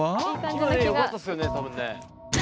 今ねよかったっすよね多分ね。